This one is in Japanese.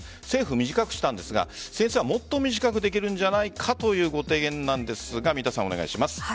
政府は短くしたんですが先生はもっと短くできるんじゃないかというご提言なんですが三田さん、お願いします。